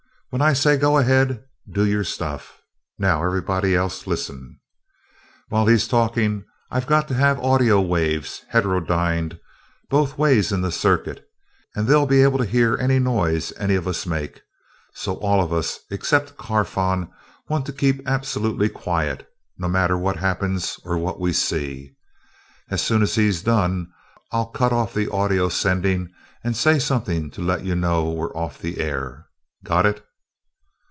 When I say 'go ahead' do your stuff. Now, everybody else, listen. While he's talking I've got to have audio waves heterodyned both ways in the circuit, and they'll be able to hear any noise any of us make so all of us except Carfon want to keep absolutely quiet, no matter what happens or what we see. As soon as he's done I'll cut off the audio sending and say something to let you all know we're off the air. Got it?"